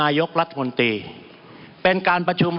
มันมีมาต่อเนื่องมีเหตุการณ์ที่ไม่เคยเกิดขึ้น